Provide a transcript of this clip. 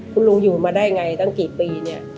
คุณลุงอยู่มาได้ไงตั้งกี่ปีเนี่ย